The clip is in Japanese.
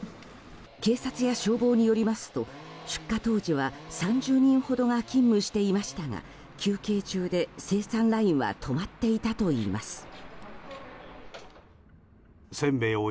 警察や消防によりますと出火当時は３０人ほどが勤務していましたが休憩中で生産ラインは止まっていたといいます。